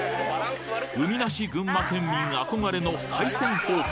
海なし群馬県民憧れの海鮮宝庫